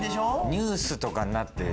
ニュースとかになってる。